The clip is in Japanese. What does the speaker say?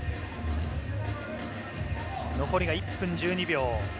残りが１分１２秒。